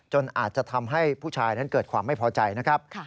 อาจจะทำให้ผู้ชายนั้นเกิดความไม่พอใจนะครับ